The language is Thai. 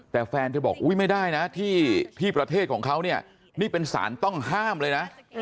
แต่แฟนเธอบอกอุ๊ยไม่ได้นะที่ประเทศของเขาเนี่ยนี่เป็นสารต้องห้ามเลยนะ